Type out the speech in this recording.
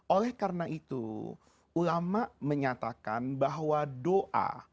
oleh karena itu ulama menyatakan bahwa doa